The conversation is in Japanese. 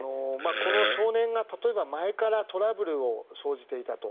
この少年が例えば前からトラブルが生じていたと。